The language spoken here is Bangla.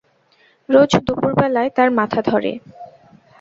রোজ দুপুরবেলায় তাঁর মাথা ধরে।